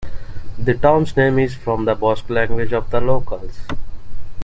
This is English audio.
The town's name is from the Basque language of the locals.